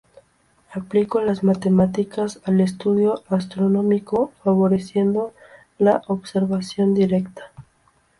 Aplicó las matemáticas al estudio astronómico, favoreciendo la observación directa.